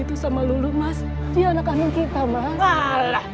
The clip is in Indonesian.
terima kasih allah